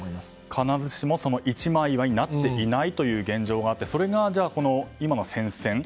必ずしも一枚岩になっていない現状があってそれが今の戦線